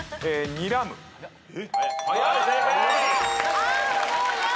正解！